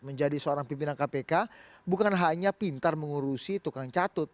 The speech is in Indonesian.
menjadi seorang pimpinan kpk bukan hanya pintar mengurusi tukang catut